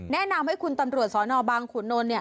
แนะนำให้คุณตำรวจสนบางขุนนท์